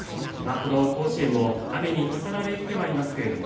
この甲子園も雨にたたられてはいますけれども